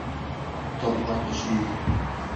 Торба тишелде.